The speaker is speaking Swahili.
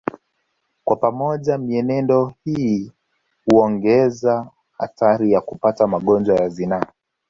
Kwa pamoja mienendo hii huongeza hatari ya kupata magonjwa ya zinaa